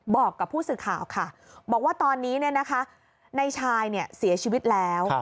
บอกกับผู้สื่อข่าวค่ะบอกว่าตอนนี้ในชายเสียชีวิตแล้ว